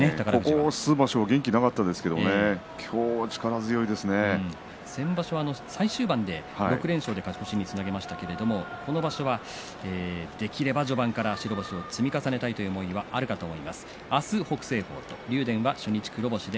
ここ数場所元気がなかったですけれども先場所、最終盤６連勝で勝ち越しにつなげましたけれどもこの場所はできれば序盤から白星をつなげたい思いはあると思います。